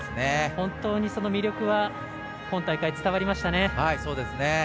本当にその魅力が今大会、伝わりましたね。